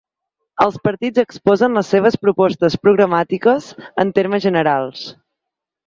Els partits exposen les seves propostes programàtiques, en termes generals.